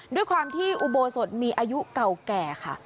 ด้วยความที่อุโบสถมีอายุเก่าแก่ค่ะ